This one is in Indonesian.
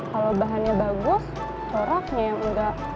kalau bahannya bagus coraknya enggak